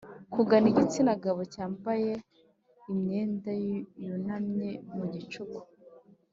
kugana igitsina gabo cyambaye imyenda yunamye, mu gicuku